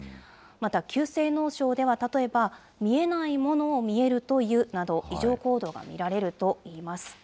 また、急性脳症では例えば、見えないものを見えると言うなど、異常行動が見られるといいます。